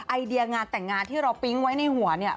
ไอเดียงานแต่งงานที่เราปิ๊งไว้ในหัวเนี่ย